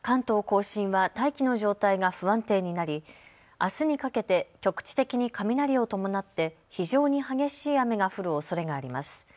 甲信は大気の状態が不安定になりあすにかけて局地的に雷を伴って非常に激しい雨が降るおそれがあります。